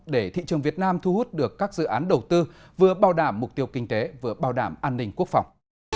để thị trường việt nam thu hút được các dự án đầu tư vừa bảo đảm mục tiêu kinh tế vừa bảo đảm an ninh quốc phòng